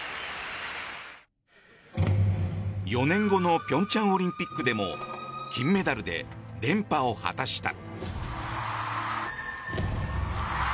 ４年後の平昌オリンピックでも金メダルで連覇を果たした。